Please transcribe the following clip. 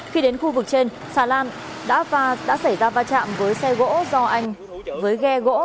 khi đến khu vực trên xà lan đã xảy ra va chạm với ghe gỗ